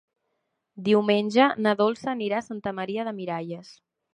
Diumenge na Dolça anirà a Santa Maria de Miralles.